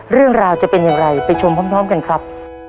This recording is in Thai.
เรื่องราวจะเป็นอย่างไรไปชมพร้อมกันครับ